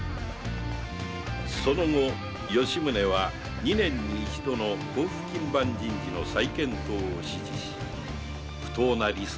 その後吉宗は二年に一度の甲府勤番人事の再検討を指示し不当なリストラに歯止めをかけたのである